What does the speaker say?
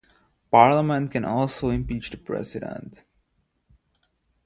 Parliament can also impeach the President.